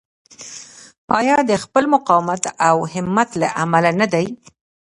آیا د خپل مقاومت او همت له امله نه دی؟